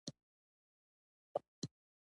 د چینو اوبه پاکې دي